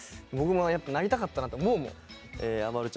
僕もなりたかったなと思うもん。